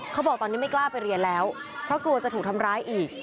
เขาบอกตอนนี้ไม่กล้าไปเรียนแล้วเพราะกลัวจะถูกทำร้ายอีก